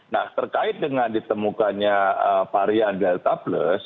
nah terkait dengan ditemukannya varian delta plus